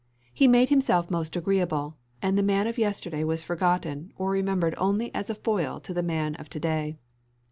He made himself most agreeable, and the man of yesterday was forgotten or remembered only as a foil to the man of to day.